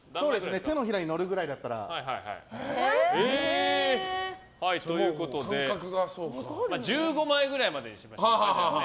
手のひらに乗るくらいだったら。ということで１５枚ぐらいまでにしましょうね。